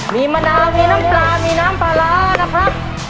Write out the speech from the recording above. มีมะนาวมีน้ำปลามีน้ำปลาร้านะครับ